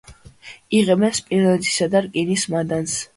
იღებენ სპილენძისა და რკინის მადანს.